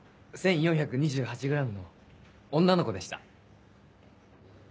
１４２８ｇの女の子でした。